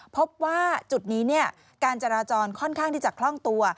พบว่าจุดนี้การจราจรค่อนข้างที่จะคล่องตัว